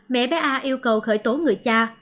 mẹ bé a yêu cầu khởi tố người cha